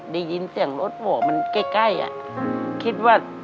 ได้ยินเสียงรถหว่อมันใกล้คิดว่า